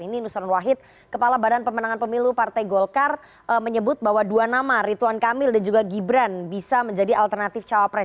ini nusron wahid kepala badan pemenangan pemilu partai golkar menyebut bahwa dua nama rituan kamil dan juga gibran bisa menjadi alternatif cawapres